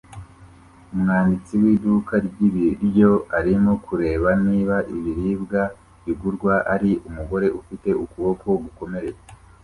Umwanditsi w'iduka ry'ibiryo arimo kureba niba ibiribwa bigurwa ari umugore ufite ukuboko gukomeretse